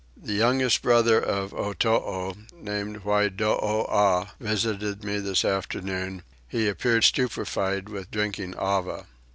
The youngest brother of Otoo, named Whydooah, visited me this afternoon: he appeared stupefied with drinking ava.